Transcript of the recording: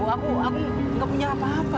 aku aku gak punya apa apa